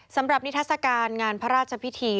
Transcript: สำหรับนิทัศกาลงานพระราชพิธี